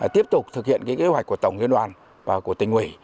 tiếp tục thực hiện cái kế hoạch của tổng liên đoàn và của tỉnh hủy